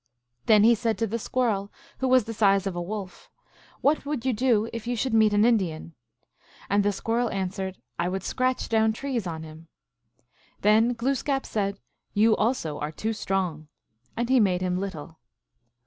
Then he said to the Squirrel, who was of the size of a Wolf, " What would you do if you should meet an Indian ?" And the Squirrel answered, " I would scratch down trees on him." Then Glooskap said, " You also are too strong," and he made him little.